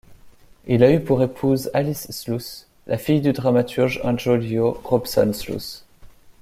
Il a eu pour épouse Alice Slous, la fille du dramaturge Angiolo Robson Slous.